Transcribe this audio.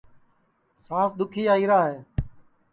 سانٚس دُؔکھی آئیرا ہے